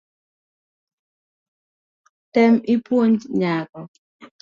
Tem ipuonj nyako